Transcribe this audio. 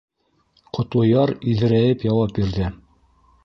Ҡотлояр иҙерәйеп яуап бирҙе: